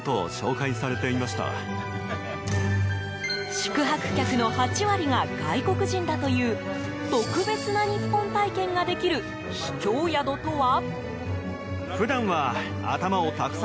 宿泊客の８割が外国人だという特別な日本体験ができる秘境宿とは。